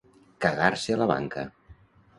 Cagar-se a la banca.